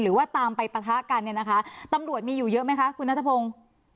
หรือว่าตามไปปะทะกันเนี่ยนะคะตำรวจมีอยู่เยอะไหมคะคุณนัทพงศ์